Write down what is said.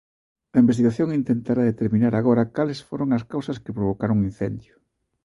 A investigación intentará determinar agora cales foron as causas que provocaron o incendio.